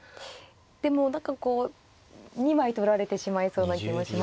でも何かこう２枚取られてしまいそうな気もしますね。